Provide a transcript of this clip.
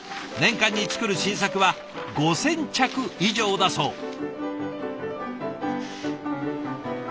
年間に作る新作は５，０００着以上だそう。